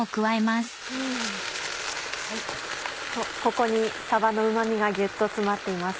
ここにさばのうま味がギュっと詰まっています。